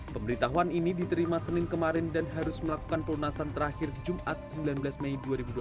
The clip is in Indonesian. pemberitahuan ini diterima senin kemarin dan harus melakukan pelunasan terakhir jumat sembilan belas mei dua ribu dua puluh